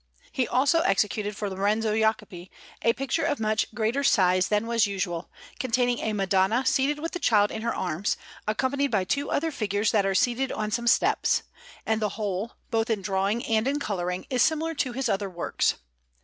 He also executed for Lorenzo Jacopi a picture of much greater size than was usual, containing a Madonna seated with the Child in her arms, accompanied by two other figures that are seated on some steps; and the whole, both in drawing and in colouring, is similar to his other works.